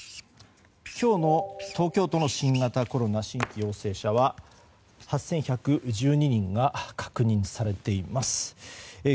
今日の東京都の新型コロナ新規陽性者は８１１２人が確認されています。